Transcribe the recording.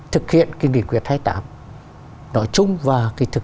thực hiện cái nghị quyền thái tám nói chung và thì thực